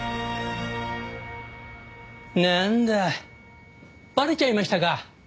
なんだバレちゃいましたか。